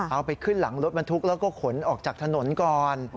เอาไปขึ้นหลังรถบรรทุกแล้วก็ขนออกจากถนนก่อน